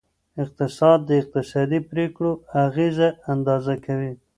اقتصاد د اقتصادي پریکړو اغیزه اندازه کوي.